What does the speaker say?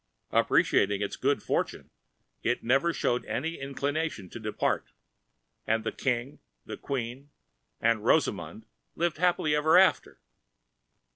Appreciating its wonderful good fortune, it never showed any inclination to depart; and the King, the Queen, and Rosamund lived happily ever after.